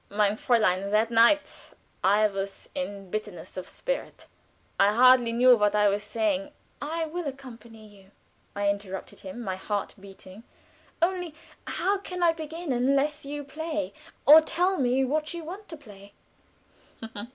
"Mein Fräulein that night I was in bitterness of spirit I hardly knew what I was saying " "I will accompany you," I interrupted him, my heart beating. "Only how can I begin unless you play, or tell me what you want to play?"